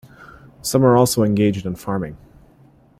Some are also engaged in farming.